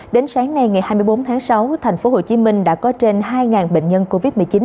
đến sáng nay ngày hai mươi bốn tháng sáu thành phố hồ chí minh đã có trên hai bệnh nhân covid một mươi chín